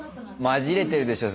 まじれてるでしょ